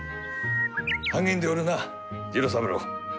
励んでおるな次郎三郎。